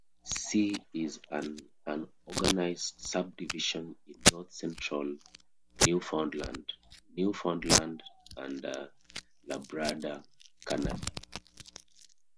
C is an unorganized subdivision in north-central Newfoundland, Newfoundland and Labrador, Canada.